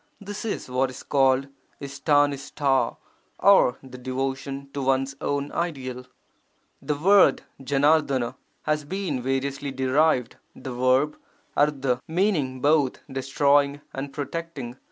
This is what is called Istanista, or the devotion to one's own ideal. The word 5RF£*I has been variously derived, the verb 3^ meaning both 'destroying' and 'protecting'.